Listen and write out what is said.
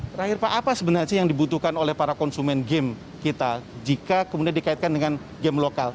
terakhir pak apa sebenarnya sih yang dibutuhkan oleh para konsumen game kita jika kemudian dikaitkan dengan game lokal